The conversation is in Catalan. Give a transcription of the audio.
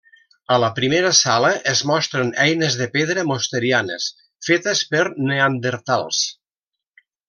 A la primera sala es mostren eines de pedra mosterianes fetes per neandertals.